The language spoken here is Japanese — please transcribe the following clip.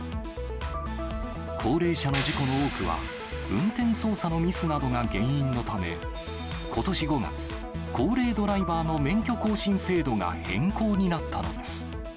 高齢者の事故の多くは、運転操作のミスなどが原因のため、ことし５月、高齢ドライバーの免許更新制度が変更になったのです。